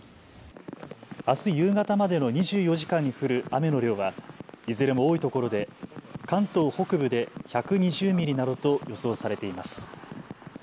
あす夕方までの２４時間に降る雨の量はいずれも多い所で関東北部で１２０ミリなどと予想されています。